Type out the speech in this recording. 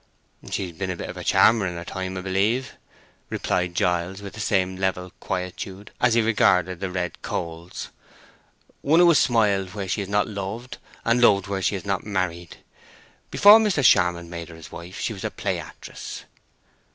"She's been a bit of a charmer in her time, I believe," replied Giles, with the same level quietude, as he regarded the red coals. "One who has smiled where she has not loved and loved where she has not married. Before Mr. Charmond made her his wife she was a play actress."